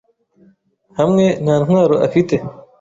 hamwe - nta ntwaro afite. ”